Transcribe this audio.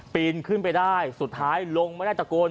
นขึ้นไปได้สุดท้ายลงไม่ได้ตะโกน